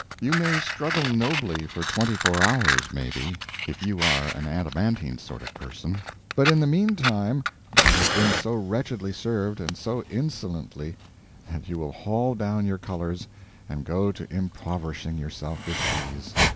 You may struggle nobly for twenty four hours, maybe, if you are an adamantine sort of person, but in the mean time you will have been so wretchedly served, and so insolently, that you will haul down your colors, and go to impoverishing yourself with fees.